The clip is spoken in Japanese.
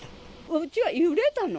うちは揺れたの。